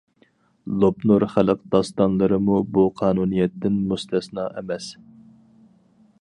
لوپنور خەلق داستانلىرىمۇ بۇ قانۇنىيەتتىن مۇستەسنا ئەمەس.